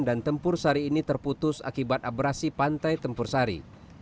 dan tempur sari ini terputus akibat abrasi pantai tempur sari